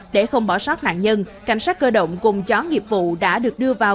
để không bỏ sót nạn nhân cảnh sát cơ động cùng chó nghiệp vụ đã được đưa vào